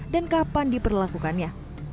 dan kapan diperlakukannya